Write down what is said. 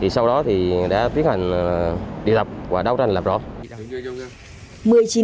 sau đó thì đã tiến hành điều tập và đấu tranh lập rộng